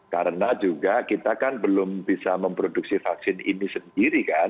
karena juga kita kan belum bisa memproduksi vaksin ini sendiri